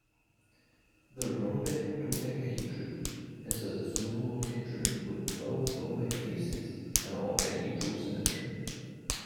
The "rhombic dodecahedron" is a zonohedron with twelve rhombic faces and octahedral symmetry.